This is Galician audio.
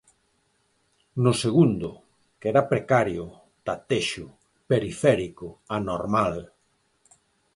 No segundo, que era precario, tatexo, periférico, anormal.